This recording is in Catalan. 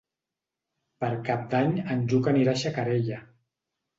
Per Cap d'Any en Lluc anirà a Xacarella.